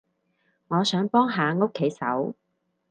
我想幫下屋企手